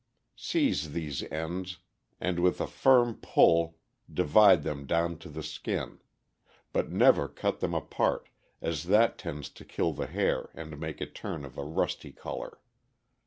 Seize these ends, and with a firm pull divide them down to the skin; but never cut them apart, as that tends to kill the hair and make it turn of a rusty color.